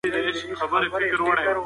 سړي پښې وغځولې او سترګې پټې کړې.